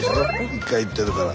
１回行ってるから。